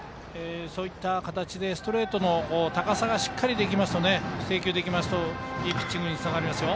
そういった形でストレートの高さがしっかりと制球できますといいピッチングにつながりますよ。